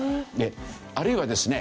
あるいはですね